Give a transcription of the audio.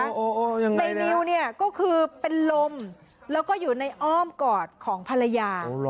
ในนิวเนี่ยก็คือเป็นลมแล้วก็อยู่ในอ้อมกอดของภรรยา